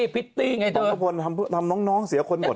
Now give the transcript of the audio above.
พร้อมกระพนทำน้องเสียคนหมด